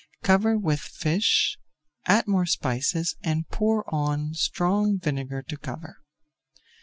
Cover with fish, add more spices, and pour on strong vinegar to cover.